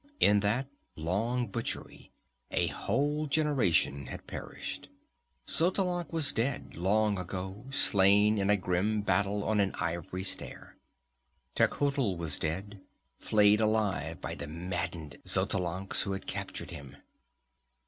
In that long butchery a whole generation had perished. Xotalanc was dead, long ago, slain in a grim battle on an ivory stair. Tecuhltli was dead, flayed alive by the maddened Xotalancas who had captured him.